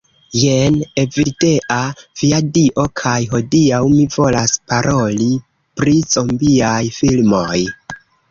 Jen Evildea. Via Dio. kaj hodiaŭ mi volas paroli pri zombiaj filmoj